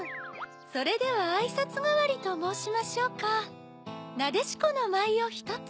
それではあいさつがわりともうしましょうかなでしこのまいをひとつ。